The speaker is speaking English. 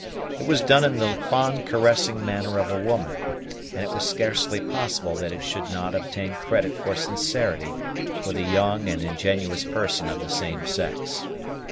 It was done in the fond caressing manner of a woman, and it was scarcely possible that it should not obtain credit for sincerity with a young and ingenuous person of the same sex.